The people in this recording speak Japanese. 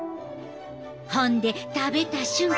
ほんで食べた瞬間